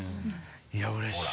いやうれしい！